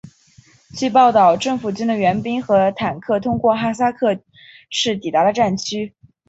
据报道政府军的援兵和坦克通过哈塞克市抵达了战区。